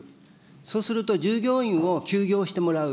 そうすると、従業員を休業してもらう。